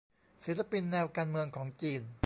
ศิลปินแนวการเมืองของจีน